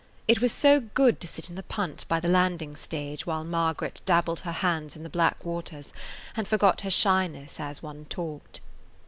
It was so good to sit in the punt by the landing stage while Margaret dabbled her hands in the black waters and forgot her shyness as one talked.